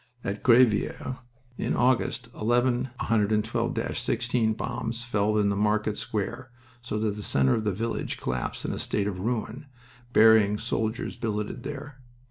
At Grevilliers, in August, eleven 112 16 bombs fell in the market square, so that the center of the village collapsed in a state of ruin, burying soldiers billeted there.